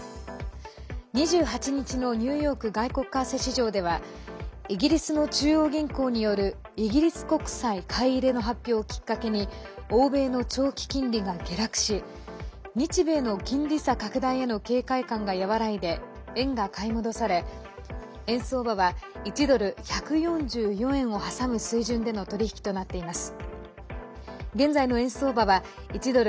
２８日のニューヨーク外国為替市場ではイギリスの中央銀行によるイギリス国債買い入れの発表をきっかけに欧米の長期金利が下落し日米の金利差拡大への警戒感が和らいで円が買い戻され円相場は１ドル＝１４４円を挟む水準での取引となっています。